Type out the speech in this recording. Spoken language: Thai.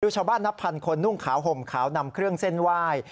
ชาวบ้านนับพันคนนุ่งขาวห่มขาวนำเครื่องเส้นไหว้